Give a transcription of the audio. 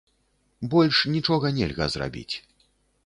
Больш нічога нельга зрабіць.